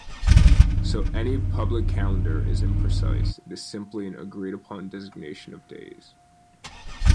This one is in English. So any public calendar is imprecise; it is simply an agreed-upon designation of days.